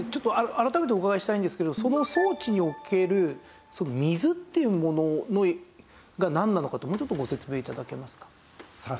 改めてお伺いしたいんですけどその装置における水っていうものがなんなのかってもうちょっとご説明頂けますか？